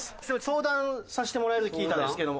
相談させてもらえるって聞いたんですけども。